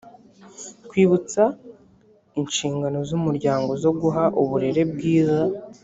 kwibutsa inshingano z umuryango zo guha uburere bwiza